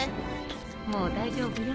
もう大丈夫よ。